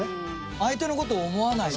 「相手のことを思わないと」